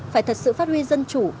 phải thật sự phát huy dân chủ